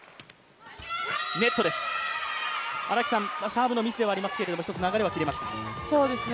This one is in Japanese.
サーブのミスではありますけれども、一つ流れは切りました。